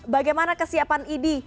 bagaimana kesiapan idi